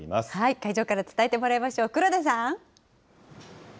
会場から伝えてもらいましょう。